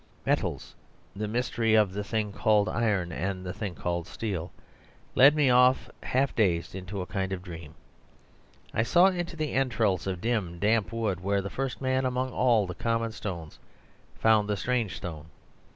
Metals, the mystery of the thing called iron and of the thing called steel, led me off half dazed into a kind of dream. I saw into the intrails of dim, damp wood, where the first man among all the common stones found the strange stone.